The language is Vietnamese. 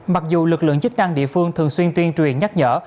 mặc dù lực lượng chức năng địa phương thường xuyên tuyên truyền nhắc nhở